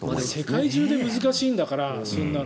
世界中でそんなの難しいんだから。